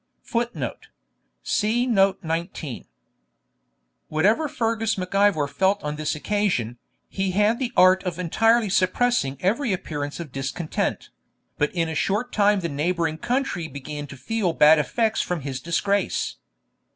[Footnote: See Note 19.] Whatever Fergus Mac Ivor felt on this occasion, he had the art of entirely suppressing every appearance of discontent; but in a short time the neighbouring country began to feel bad effects from his disgrace.